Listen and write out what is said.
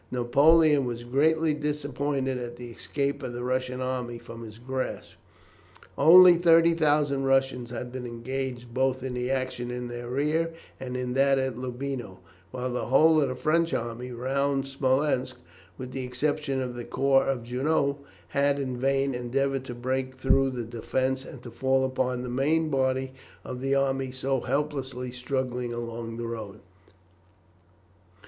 Napoleon was greatly disappointed at the escape of the Russian army from his grasp. Only 30,000 Russians had been engaged both in the action in their rear and in that at Loubino, while the whole of the French army round Smolensk, with the exception of the corps of Junot, had in vain endeavoured to break through the defence and to fall upon the main body of the army so helplessly struggling along the road.